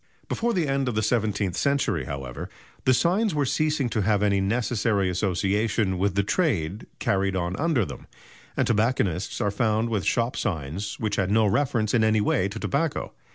Before the end of the seventeenth century, however, the signs were ceasing to have any necessary association with the trade carried on under them, and tobacconists are found with shop signs which had no reference in any way to tobacco.